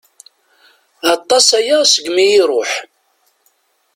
Aṭas aya segmi i iruḥ.